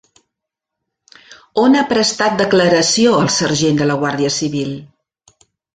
On ha prestat declaració el sergent de la Guàrdia Civil?